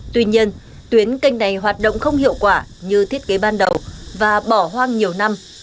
tuy nhiên tuyến canh này hoạt động không hiệu quả như thiết kế ban đầu và bỏ hoang nhiều năm